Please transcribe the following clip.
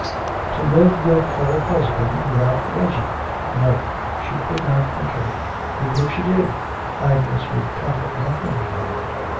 To live with her husband without Reggie! no, she could not think of it. Even if she did, Agnes would profit nothing by it.